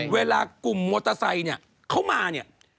เวลากลุ่มมอเตอร์ไซค์เนี่ยเขามาเนี่ย